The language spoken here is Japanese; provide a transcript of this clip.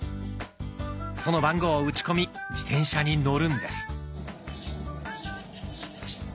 その番号を打ち込み自転車に乗るんです。